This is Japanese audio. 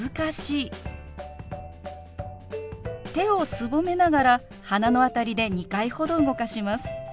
手をすぼめながら鼻の辺りで２回ほど動かします。